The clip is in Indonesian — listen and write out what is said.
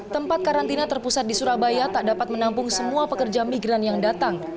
tempat karantina terpusat di surabaya tak dapat menampung semua pekerja migran yang datang